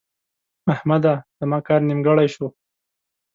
احمده! زما کار نیمګړی شو.